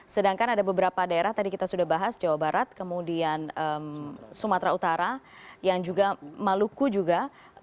sedangkan ada beberapa daerah tadi kita sudah bahas jawa barat kemudian sumatera utara yang juga maluku juga